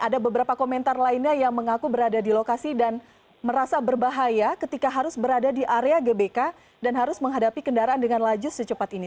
ada beberapa komentar lainnya yang mengaku berada di lokasi dan merasa berbahaya ketika harus berada di area gbk dan harus menghadapi kendaraan dengan laju secepat ini